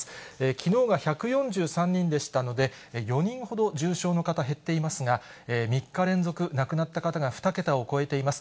きのうが１４３人でしたので、４人ほど重症の方、減っていますが、３日連続亡くなった方が２桁を超えています。